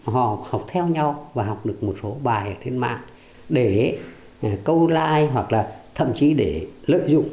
họ học theo nhau và học được một số bài trên mạng để câu like hoặc là thậm chí để lợi dụng